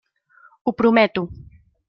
Ho prometo.